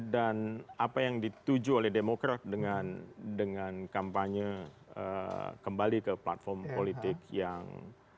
dan apa yang dituju oleh demokrat dengan kampanye kembali ke platform politik yang